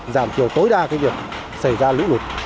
giảm thiểu tối đa việc xảy ra lũ lụt